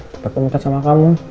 tetep komenten sama kamu